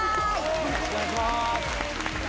よろしくお願いします！